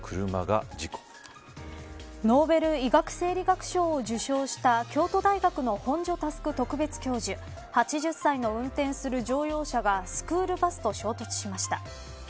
ノーベル医学・生理学賞を受賞した京都大学の本庶佑特別教授、８０歳の運転する乗用車がスクールバスと衝突しました。